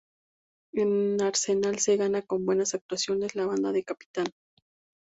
En Arsenal se gana con buenas actuaciones la banda de capitán.